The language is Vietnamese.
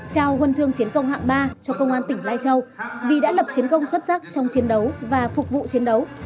trao huân chương chiến công hạng ba cho công an tỉnh lai châu vì đã lập chiến công xuất sắc trong chiến đấu và phục vụ chiến đấu